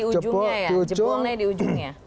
jebol di ujungnya